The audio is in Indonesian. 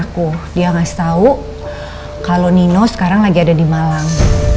kalau nino sekarang lagi ada di malang